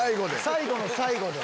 最後の最後で。